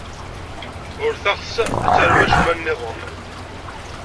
Ur teɣs ad tarem acemma niḍen.